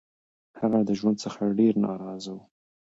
هغه د ژوند څخه ډير نا رضا وو